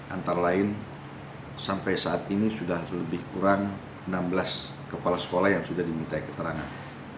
antara lain sampai saat ini sudah lebih kurang enam belas kepala sekolah yang sudah diminta keterangan